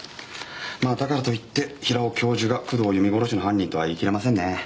まあだからと言って平尾教授が工藤由美殺しの犯人とは言いきれませんね。